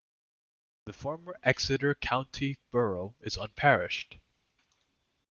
The former Exeter County Borough is unparished.